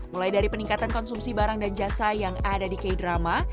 mulai dari peningkatan konsumsi barang dan jasa yang ada di k drama